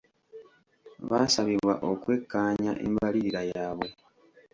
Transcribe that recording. Baasabibwa okwekkaanya embalirira yaabwe.